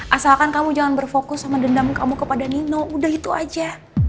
asalkan kamu jangan berfokus sama dendam kamu kepada nino udah itu aja